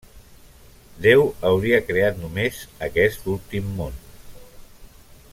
Déu hauria creat només aquest últim món.